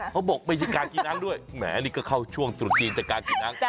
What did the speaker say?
เขาบอกไม่ใช่กากินังด้วยแหมอันนี้ก็เข้าช่วงจุดจีนจากกากินัง